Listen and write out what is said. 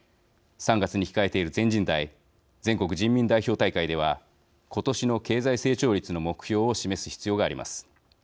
３月に控えている全人代＝全国人民代表大会では今年の経済成長率の目標を示す必要があります。